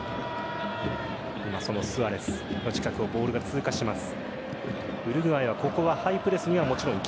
今、そのスアレスの近くをボールが通過します。